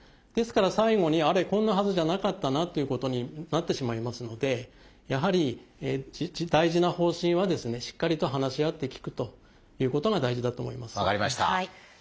ですから最後に「あれ？こんなはずじゃなかったな」っていうことになってしまいますのでやはり大事な方針はですねしっかりと話し合って聞くということが大事だと思います。